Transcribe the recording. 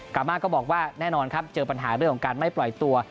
มาก็บอกว่าแน่นอนครับเจอปัญหาเรื่องของการไม่ปล่อยตัว